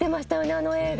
あの映画。